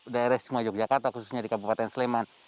daerah istimewa yogyakarta khususnya di kabupaten sleman